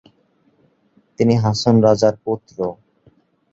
তিনি হাসন রাজার পৌত্র।